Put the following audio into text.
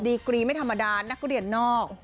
กรีไม่ธรรมดานักเรียนนอก